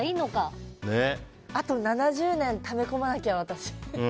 あと７０年ため込まなきゃ、私。